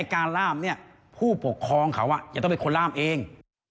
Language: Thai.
การล่ามเนี่ยผู้ปกครองเขาจะต้องเป็นคนล่ามเอง